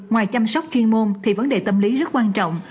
ngoài chăm sóc chuyên môn thì vấn đề tâm lý rất quan trọng